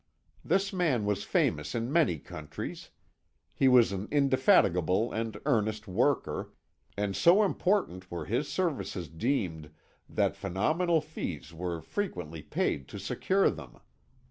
This man was famous in many countries; he was an indefatigable and earnest worker, and so important were his services deemed that phenomenal fees were frequently paid to secure them.